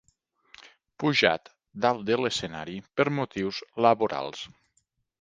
Pujat dalt de l'escenari per motius laborals.